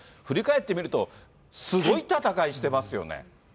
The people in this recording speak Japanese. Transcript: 振り返ってみると、すごい戦いしてますよね。